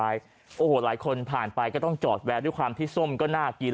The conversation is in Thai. โอ้โหหลายคนผ่านไปก็ต้องจอดแวะด้วยความที่ส้มก็น่ากิน